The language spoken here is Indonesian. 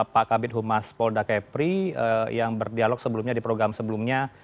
pak kabit humas polda kepri yang berdialog sebelumnya di program sebelumnya